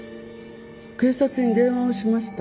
警察に電話をしました。